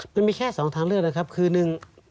มันมีแค่สองทางเลือกนะครับคือหนึ่ง